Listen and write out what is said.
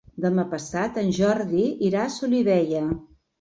Demà passat en Jordi irà a Solivella.